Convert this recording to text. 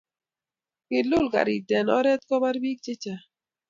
Kiul karit en oret kopar pik che chang